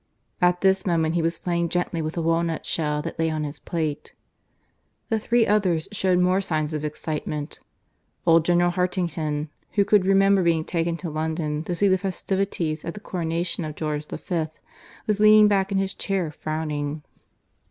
At this moment he was playing gently with a walnut shell that lay on his plate. The three others showed more signs of excitement. Old General Hartington, who could remember being taken to London to see the festivities at the coronation of George V, was leaning back in his chair frowning.